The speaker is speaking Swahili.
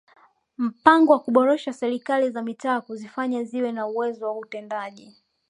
Mpango wa uboreshaji wa Serikali za Mitaa kuzifanya ziwe na uwezo wa utendaji